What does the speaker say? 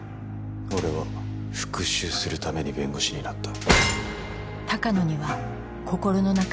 俺は復讐するために弁護士になった。